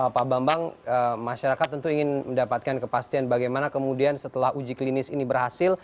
pak bambang masyarakat tentu ingin mendapatkan kepastian bagaimana kemudian setelah uji klinik ini harus di lakukan atau tidak